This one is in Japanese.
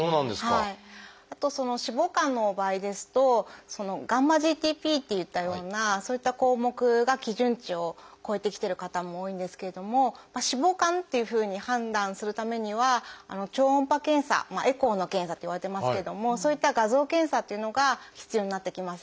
あと脂肪肝の場合ですとγ−ＧＴＰといったようなそういった項目が基準値を超えてきてる方も多いんですけれども脂肪肝っていうふうに判断するためには超音波検査エコーの検査といわれてますけれどもそういった画像検査というのが必要になってきます。